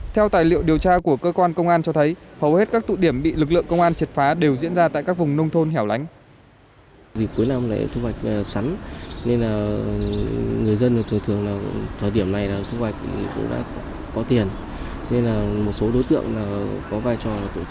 theo tài liệu điều tra của cơ quan công an cho thấy hầu hết các tụ điểm bị lực lượng công an triệt phá đều diễn ra tại các vùng nông thôn hẻo lánh